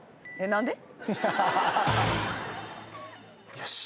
よし。